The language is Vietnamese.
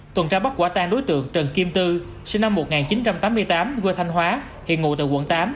tổn tra bóc quả tang đối tượng trần kim tư sinh năm một nghìn chín trăm tám mươi tám vừa thanh hóa hiện ngủ từ quận tám